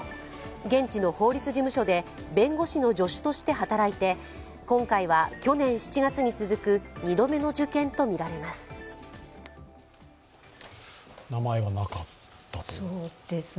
現地の法律事務所で弁護士の助手として働いて今回は去年７月に続く２度目の受験とみられます。